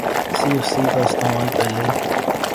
سی F C کا استعمال پہلے